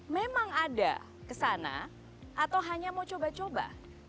memang ada ke sana atau hanya mau coba coba